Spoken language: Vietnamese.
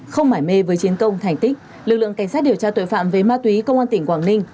không mải mê với chiến công thành tích lực lượng cảnh sát điều tra tội phạm về ma túy công an tỉnh quảng ninh